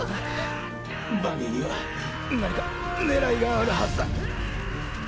バニーには何か狙いがあるはずだ。